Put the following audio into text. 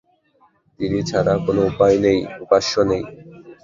তিনি ছাড়া কোন উপাস্য নেই।